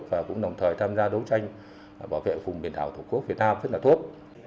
và cũng đồng thời tham gia đấu tranh bảo vệ vùng biển đảo thổ quốc việt nam rất là tốt